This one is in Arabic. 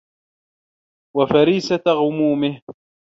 وَفَرِيسَةَ غُمُومِهِ